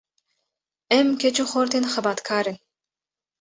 Em keç û xortên xebatkar in.